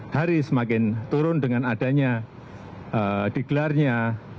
hari semakin turun dengan adanya digelarnya